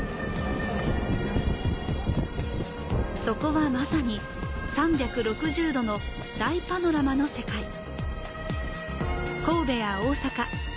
そこはまさに３６０の大パノラマの世界。